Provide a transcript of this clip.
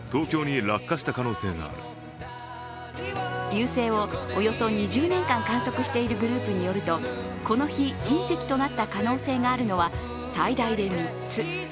流星をおよそ２０年間観測しているグループによるとこの日、隕石となった可能性があるのは最大で３つ。